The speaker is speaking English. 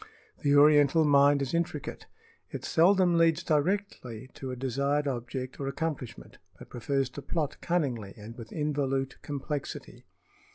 The oriental mind is intricate. It seldom leads directly to a desired object or accomplishment, but prefers to plot cunningly and with involute complexity.